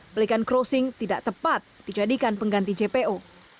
pelikan crossing tidak tepat dijadikan pengganti jpo